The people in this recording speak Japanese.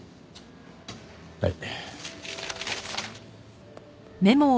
はい。